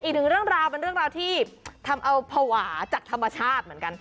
อีกหนึ่งเรื่องราวเป็นเรื่องราวที่ทำเอาภาวะจากธรรมชาติเหมือนกัน